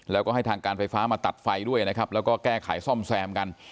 แล้วก็ให้ทางการไฟฟ้ามาตัดไฟด้วยนะครับแล้วก็แก้ไขซ่อมแซมกัน